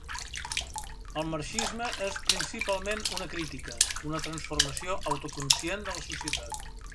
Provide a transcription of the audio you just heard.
El marxisme és principalment una crítica, una transformació autoconscient de la societat.